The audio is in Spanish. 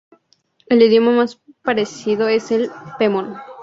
El idioma más parecido es el pemón.